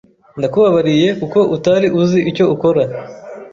Ndakubabariye kuko utari uzi icyo ukora.